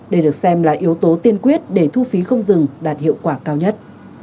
đây được xem là yếu tố tiên quyết để thu phí không dừng đạt hiệu quả cao nhất